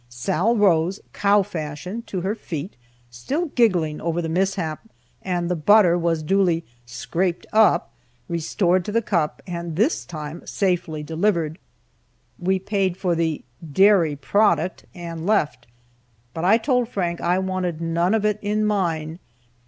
Sal rose (cow fashion) to her feet, still giggling over the mishap, and the butter was duly "scraped" up, restored to the cup, and this time safely delivered. We paid for the "dairy product," and left, but I told Frank I wanted none of it in mine.